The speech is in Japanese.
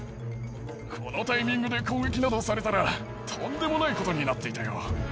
このタイミングで攻撃などされたら、とんでもないことになっていたよ。